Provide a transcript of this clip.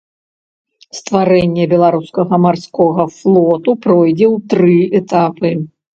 Стварэнне беларускага марскога флоту пройдзе ў тры этапы.